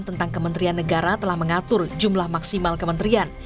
tentang kementerian negara telah mengatur jumlah maksimal kementerian